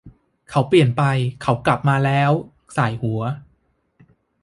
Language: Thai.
เขาเปลี่ยนไปเขากลับมาแล้วส่ายหัว